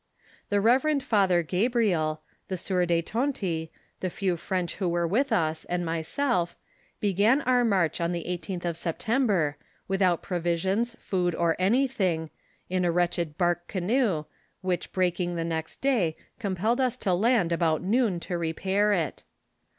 The reverend father Gabriel, the eieur de Tonty, the few French who were with us, and my self, began our march on the 18th of September, without pro visions, food, or anything, in a wretched bark canoe, which breaking the next day, compelled us to land about noon to repair it.